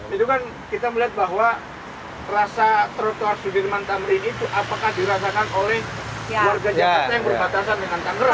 itu kan kita melihat bahwa rasa trotoar sudirman tamrin itu apakah dirasakan oleh warga jakarta yang berbatasan dengan tangerang